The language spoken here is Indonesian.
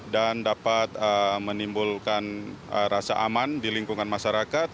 dan dapat menimbulkan rasa aman di lingkungan masyarakat